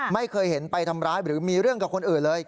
ไม่เคยเห็นไปทำร้ายหรือมีเรื่องกับคนอื่นเลย